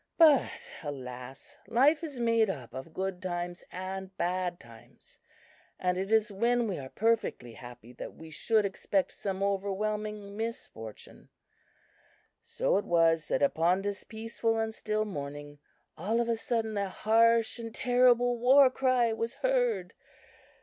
But alas! life is made up of good times and bad times, and it is when we are perfectly happy that we should expect some overwhelming misfortune. "So it was that upon this peaceful and still morning, all of a sudden a harsh and terrible war cry was heard!